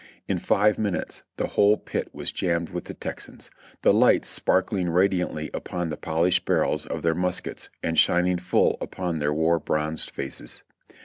In five minutes the whole pit was jammed with the Texans. the lights sparkling radiantly upon the polished barrels of their muskets and shining full upon their war bronzed faces.